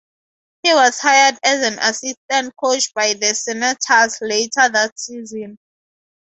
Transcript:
He was hired as an assistant coach by the Senators later that season.